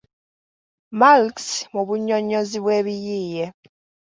Malx mu bunnyonnyozi bw’ebiyiiye: